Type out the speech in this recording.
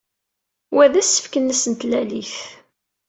Wa d asefk-nnes n Tlalit.